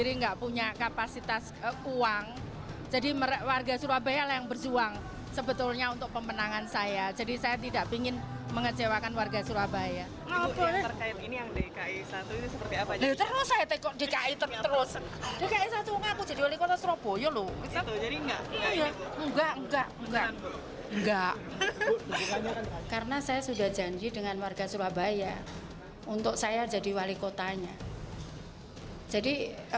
risma menjadi pembahasan kami dalam segmen editorial view berikut ini